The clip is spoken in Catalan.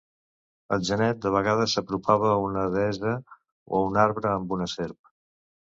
El genet de vegades s'apropava a una deessa o a un arbre amb una serp.